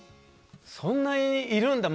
そんなにいるんだ